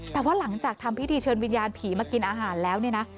แต่ว่าหลังจากทำพิธีเชิญวิญญาณผีมากินอาหารแล้วเนี่ยนะ